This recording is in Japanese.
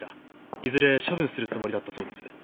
いずれ処分するつもりだったそうです。